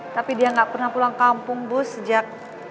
tapi dia nggak pernah pulang kampung bu sejak